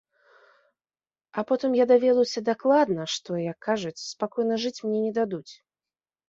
А потым я даведаўся дакладна, што, як кажуць, спакойна жыць мне не дадуць.